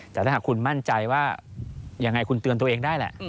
แต่ถ้าหากคุณมั่นใจว่ายังไงคุณเตือนตัวเองได้แหละ